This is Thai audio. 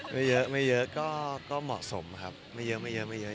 ไม่เยอะไม่เยอะก็เหมาะสมครับไม่เยอะไม่เยอะไม่เยอะ